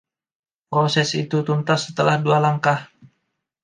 Proses itu tuntas setelah dua langkah.